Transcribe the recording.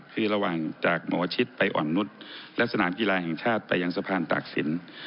คือระหว่างจากหมอชิดไปอ่อนนุษย์และสนามกีฬาแห่งชาติไปยังสะพานตากศิลป์